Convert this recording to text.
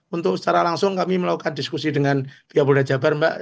untuk secara langsung kami melakukan diskusi dengan kapolda jabar mbak